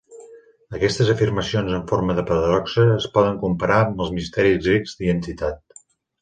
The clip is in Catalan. Aquestes afirmacions en forma de paradoxa es poden comparar amb els misteris grecs d'identitat.